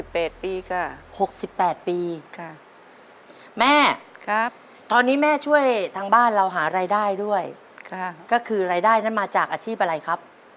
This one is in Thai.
๖๘ปีค่ะ๖๘ปีแม่ตอนนี้แม่ช่วยทางบ้านเราหารายได้ด้วยก็คือรายได้นั้นมาจากอาชีพอะไรครับ